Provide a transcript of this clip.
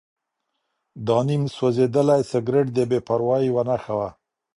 دا نیم سوځېدلی سګرټ د بې پروایۍ یوه نښه وه.